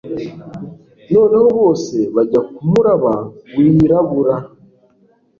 Noneho bose bajya kumuraba wirabura